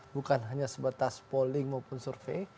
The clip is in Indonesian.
bukan hanya sebatas polling maupun survei